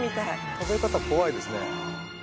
食べ方怖いですね。